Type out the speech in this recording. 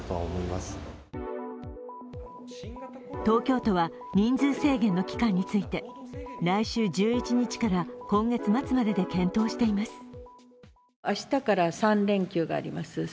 東京都は人数制限の期間について来週１１日から今月末までで検討しています。